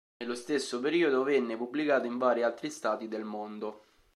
Nello stesso periodo venne pubblicata in vari altri Stati del mondo.